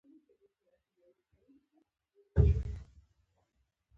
زبیده نوم ځنې جوړېږي.